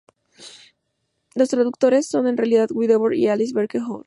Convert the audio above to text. Los traductores son en realidad Guy Debord y Alice Becker-Ho.